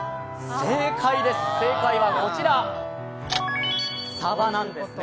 正解です、正解はこちら、さばなんですね。